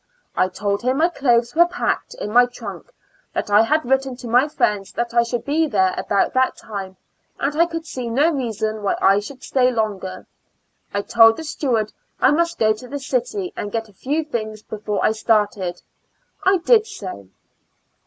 I told him my clothes were packed in my trunk; that I had written to my friends that I should be there about that time, and I could see no reason why I should stay longer. I told the steward I must go to the city and get a few things before I started. I did so.